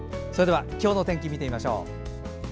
それでは今日の天気を見てみましょう。